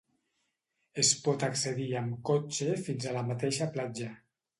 Es pot accedir amb cotxe fins a la mateixa platja.